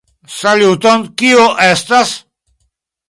Saluton, kiu estas?